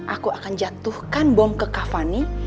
aku akan jatuhkan bom ke kak fandi